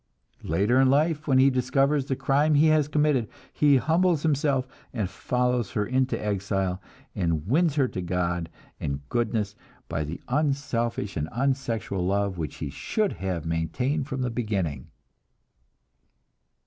Later in life, when he discovers the crime he has committed, he humbles himself and follows her into exile, and wins her to God and goodness by the unselfish and unsexual love which he should have maintained from the beginning.